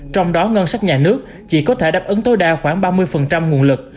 trong đó ngân sách nhà nước chỉ có thể đáp ứng tối đa khoảng ba mươi nguồn lực